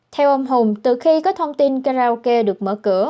theo ông hùng từ khi có thông tin karaoke được mở cửa